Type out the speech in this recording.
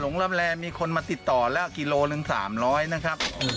หลงลับแลมีคนมาติดต่อแล้วกิโลกรัมหนึ่ง๓๐๐นะครับ